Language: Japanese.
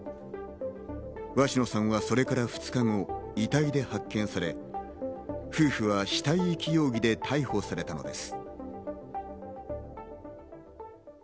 鷲野さんは、それから２日後、遺体で発見され、夫婦は死体遺棄容疑で逮捕されたのです。